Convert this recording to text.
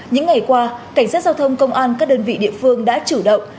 những ngày qua cảnh sát giao thông công an các đơn vị địa phương đã chủ động